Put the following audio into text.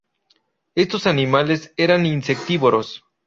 Estos animales eran insectívoros.